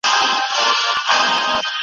زه لار ورکی مسافر یمه روان یم `